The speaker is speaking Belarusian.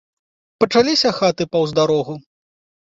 Пачаліся хаты паўз дарогу.